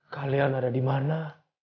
kalian ada dimana